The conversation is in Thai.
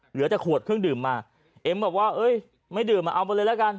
เหลือแต่ขวดเครื่องดื่มมาเอ็มบอกว่าเอ้ยไม่ดื่มอ่ะเอาไปเลยแล้วกัน